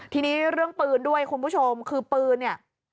ทีนี้เรื่องปืนด้วยคุณผู้ชมคือปืนเนี่ย